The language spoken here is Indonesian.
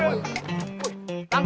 apaan apaan sih ini